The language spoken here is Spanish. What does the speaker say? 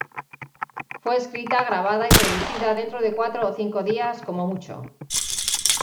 Fue escrita, grabada y producida dentro de cuatro o cinco días, como mucho.